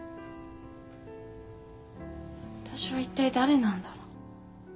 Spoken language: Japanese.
私は一体誰なんだろう。